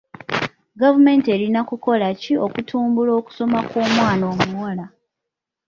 Gavumenti erina kukola ki okutumbula okusoma kw'omwana omuwala?